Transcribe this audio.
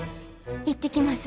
行ってきます。